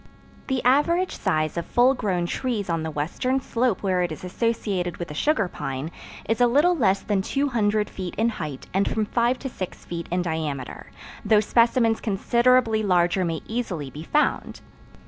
The average size of full grown trees on the western slope where it is associated with the sugar pine, is a little less than 200 feet in height and from five to six feet in diameter, though specimens considerably larger may easily be found.